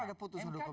mk itu undang undang